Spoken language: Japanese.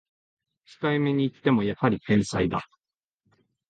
控えめに言ってもやはり天才だ